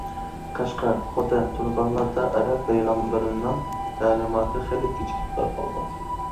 قەشقەر، خوتەن، تۇرپانلاردا ئەرەب پەيغەمبىرىنىڭ تەلىماتى خېلى كېچىكىپ تارقالغان.